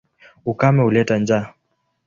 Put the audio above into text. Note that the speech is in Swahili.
Ukame huleta njaa.